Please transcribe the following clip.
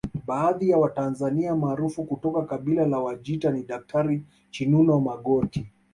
Baadhi ya Watanzania maarufu kutoka kabila la Wajita ni Daktari Chinuno Magoti